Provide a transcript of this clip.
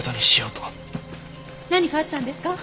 何かあったんですか？